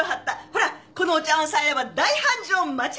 ほらこのお茶わんさえあれば大繁盛間違いなし！